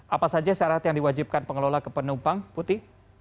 apa saja syarat yang diwajibkan pengelola kepenumpang puti